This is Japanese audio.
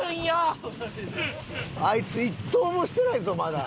あいつ一投もしてないぞまだ。